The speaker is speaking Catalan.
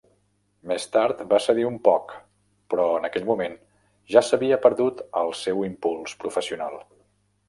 Més tard va cedir un poc, però en aquell moment ja s'havia perdut el seu impuls professional.